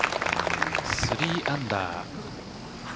３アンダー。